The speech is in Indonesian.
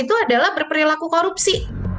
itu adalah berperilaku korupsi